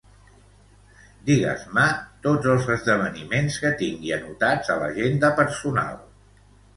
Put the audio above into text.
Digues-me tots els esdeveniments que tingui anotats a l'agenda personal.